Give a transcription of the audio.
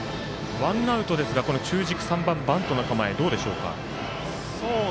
ワンアウトですが、中軸３番、バントの構えどうでしょうか。